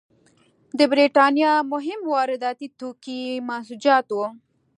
د برېټانیا مهم وارداتي توکي منسوجات وو.